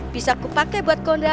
bisa kupakai buat kondangan